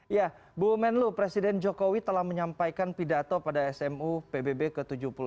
ya bu menlu presiden jokowi telah menyampaikan pidato pada smu pbb ke tujuh puluh dua